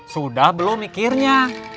sudah belum mikirnya